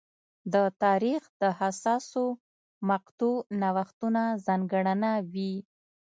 د تاریخ د حساسو مقطعو نوښتونه ځانګړنه وې.